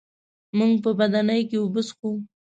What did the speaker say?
موږ په بدنۍ کي اوبه څښو.